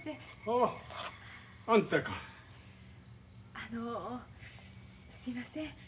あのすいません。